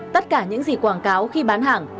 tất cả những gì quảng cáo khi bán hàng